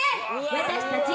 私たち。